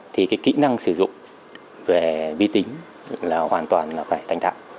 thì cái kỹ năng sử dụng về vi tính là hoàn toàn phải thanh thẳng